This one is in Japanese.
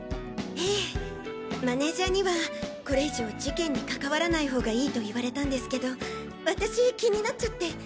ええマネージャーにはこれ以上事件に関わらない方がいいと言われたんですけど私気になっちゃって。